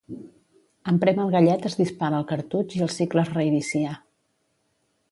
En prémer el gallet es dispara el cartutx i el cicle es reinicia.